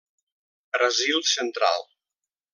Brasil central.